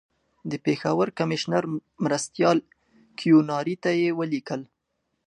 د پېښور کمیشنر مرستیال کیوناري ته یې ولیکل.